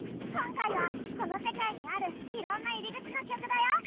今回はこの世界にあるいろんな入り口の曲だよ。